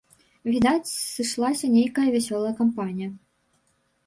Відаць, сышлася нейкая вясёлая кампанія.